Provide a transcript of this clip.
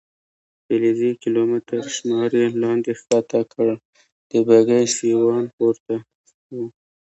فلزي کیلومتر شمار یې لاندې کښته کړ، د بګۍ سیوان پورته و.